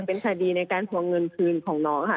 เป็นคดีในการทวงเงินคืนของน้องค่ะ